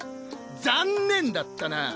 残念だったな。